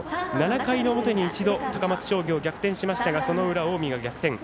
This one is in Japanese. ７回の表に一度、高松商業、逆転しましたがその裏、近江が逆転。